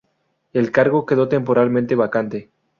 El cargo quedó temporalmente vacante.